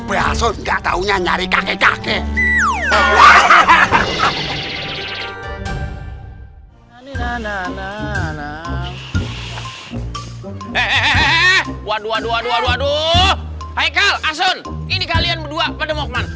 bakso gak taunya nyari kakek kakek